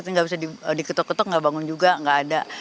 gak bisa diketok ketok gak bangun juga gak ada